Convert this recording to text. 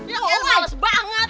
ya elah males banget